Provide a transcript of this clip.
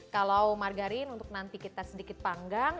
kalau margarin untuk nanti kita sedikit panggang